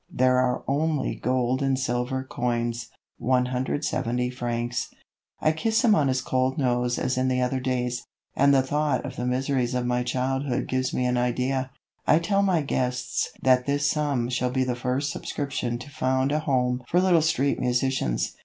There are only gold and silver coins 170 francs. I kiss him on his cold nose as in other days, and the thought of the miseries of my childhood gives me an idea. I tell my guests that this sum shall be the first subscription to found a Home for little street musicians.